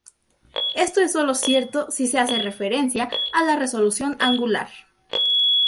Esto es solo cierto si se hace referencia a su resolución angular.